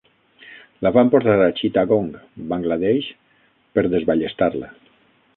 La van portar a Chittagong, Bangladesh, per desballestar-la.